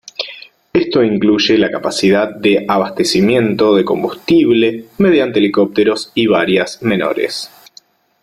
Esto incluye la capacidad de abastecimiento de combustible mediante helicópteros y varias menores.